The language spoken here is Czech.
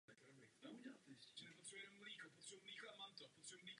Pouze prezentace ve Rwandě a Ugandě byly zrušeny.